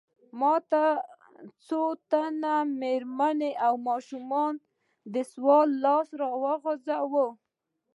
ماته نن څو تنو مېرمنو او ماشومانو د سوال لاس راوغځاوه.